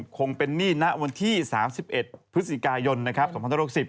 คงเป็นหนี้ณวันที่๓๑พฤศจิกายน๒๖๐